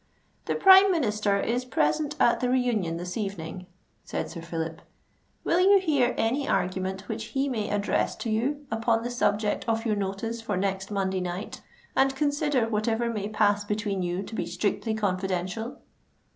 "The Prime Minister is present at the re union this evening," said Sir Phillip: "will you hear any argument which he may address to you upon the subject of your notice for next Monday night, and consider whatever may pass between you to be strictly confidential?"